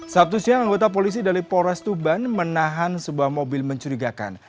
sabtu siang anggota polisi dari polres tuban menahan sebuah mobil mencurigakan